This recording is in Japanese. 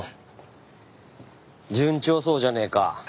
順調そうじゃねえか。